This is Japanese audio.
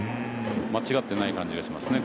間違ってない感じがしますね。